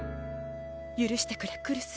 許してくれ来栖。